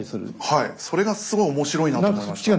はいそれがすごい面白いなと思いました。